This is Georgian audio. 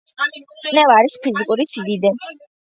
წნევა არის ფიზიკური სიდიდე